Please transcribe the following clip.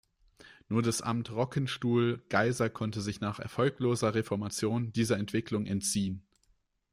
Nur das Amt Rockenstuhl-Geisa konnte sich nach erfolgloser Reformation dieser Entwicklung entziehen.